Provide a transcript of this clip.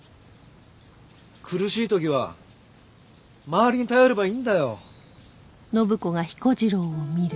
苦しい時は周りに頼ればいいんだよ。